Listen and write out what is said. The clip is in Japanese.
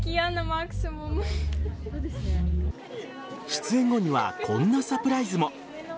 出演後にはこんなサプライズも。